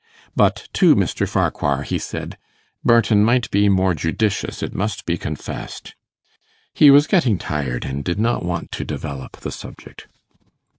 But to Mr. Farquhar he said, 'Barton might be more judicious, it must be confessed.' He was getting tired, and did not want to develop the subject.